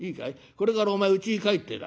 これからお前うちに帰ってだ